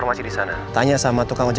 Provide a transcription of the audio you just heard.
saya yakin dia kenal sama sumarno